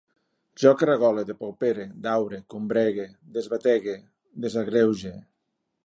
Jo caragole, depaupere, daure, combregue, desbatege, desagreuge